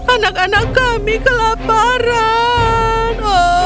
anak anak kami kelaparan